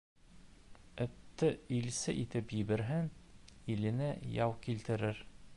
Этте илсе итеп ебәрһәң, илеңә яу килтерер.